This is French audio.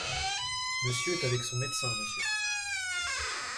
Monsieur est avec son médecin, Monsieur.